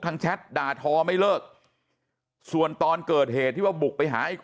แชทด่าทอไม่เลิกส่วนตอนเกิดเหตุที่ว่าบุกไปหาไอ้